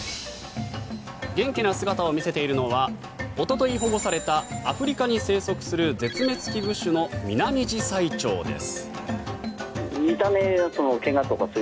元気な姿を見せているのはおととい保護されたアフリカに生息する絶滅危惧種のミナミジサイチョウです。